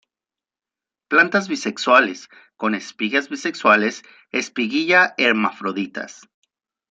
Plantas bisexuales, con espigas bisexuales; espiguilla hermafroditas.